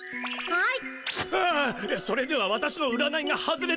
はい？